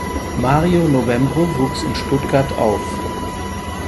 Mario Novembre wuchs in Stuttgart auf.